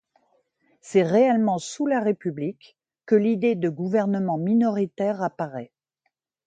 C’est réellement sous la République que l’idée de Gouvernement Minoritaire apparaît.